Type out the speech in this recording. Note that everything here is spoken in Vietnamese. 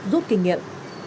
giúp kinh nghiệm